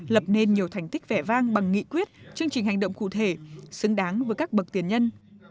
lập nên nhiều thành tích vẻ vang bằng nghị quyết chương trình hành động cụ thể xứng đáng với các bậc tiền nhân